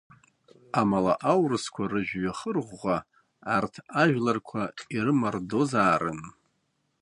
Амала аурысқәа рыжәҩахыр ӷәӷәа арҭ ажәларқәа ирымардозаарын.